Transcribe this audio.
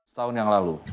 setahun yang lalu